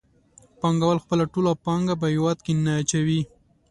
پانګوال خپله ټوله پانګه په هېواد کې نه اچوي